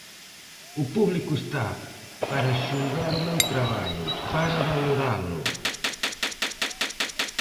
O público está para xulgar o meu traballo, para valoralo.